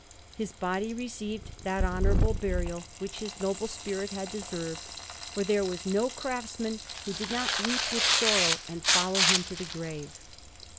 His body received that honourable burial which his noble spirit had deserved, for there was no craftsman who did not weep with sorrow and follow him to the grave.